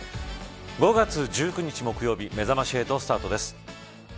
５月１９日木曜日めざまし８スタートです。